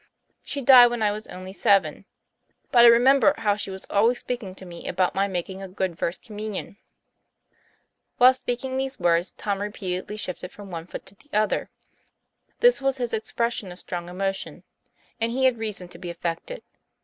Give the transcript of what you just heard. She died when I was only seven. But I remember how she was always speaking to me about my making a good First Communion." Whilst speaking these words, Tom repeatedly shifted from one foot to the other. This was his expression of strong emotion. And he had reason to be affected.